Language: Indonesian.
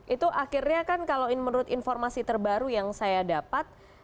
itu akhirnya kan kalau menurut informasi terbaru yang saya dapat